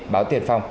báo tiền phòng